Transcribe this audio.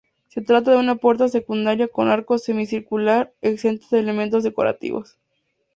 Se trata de una puerta secundaria con arco semicircular, exenta de elementos decorativos.